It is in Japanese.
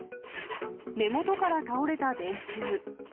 根元から倒れた電柱。